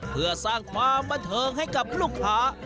เพื่อสร้างความบันเทิงให้กับลูกค้า